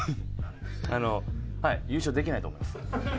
あのはい優勝できないと思います。